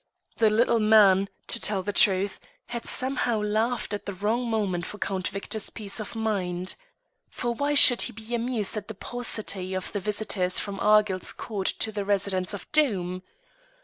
The little man, to tell the truth, had somehow laughed at the wrong moment for Count Victor's peace of mind. For why should he be amused at the paucity of the visitors from Argyll's court to the residence of Doom?